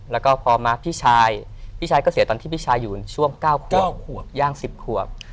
แล้วก็พอมาพี่ชายพี่ชายก็เสียตอนที่พี่ชายอยู่ในช่วง๙ขวบ๙ขวบย่าง๑๐ขวบ